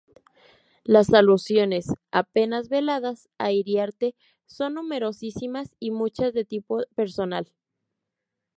Las alusiones, apenas veladas, a Iriarte son numerosísimas y muchas de tipo personal.